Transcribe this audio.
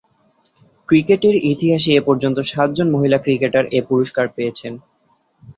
ক্রিকেটের ইতিহাসে এ পর্যন্ত সাতজন মহিলা ক্রিকেটার এ পুরস্কার পেয়েছেন।